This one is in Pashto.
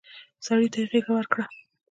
سړي ته يې غېږ ورکړه.